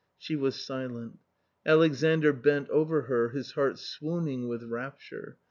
She was silent. Alexandr bent over her, his heart swooning with rapture.